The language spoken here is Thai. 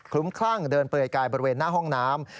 ลุ้มคลั่งเดินเปลือยกายบริเวณหน้าห้องน้ำ